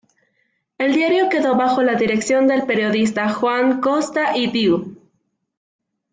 El diario quedó bajo la dirección del periodista Juan Costa y Deu.